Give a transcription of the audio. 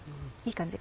いい感じ。